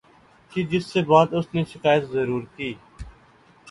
کی جس سے بات اسنے شکایت ضرور کی